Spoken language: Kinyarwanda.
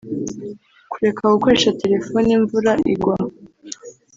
kureka gukoresha telefoni imvura igwa